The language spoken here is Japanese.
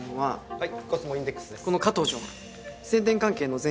はい。